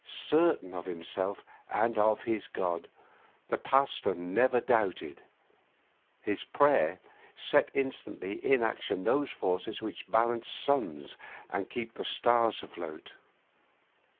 Certain of himself and of his God, the Pasteur never doubted. His prayer set instantly in action those forces which balance suns and keep the stars afloat.